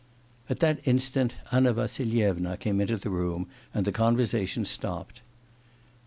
At that instant Anna Vassilyevna came into the room, and the conversation stopped.